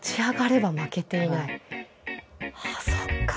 ああそっか。